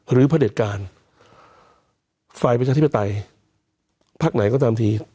พระเด็จการฝ่ายประชาธิปไตยพักไหนก็ตามที